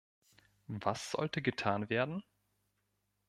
Was sollte getan werden?